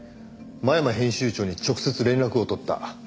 真山編集長に直接連絡をとった。